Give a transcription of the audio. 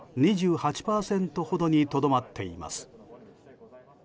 ２８％ほどにとどまっています。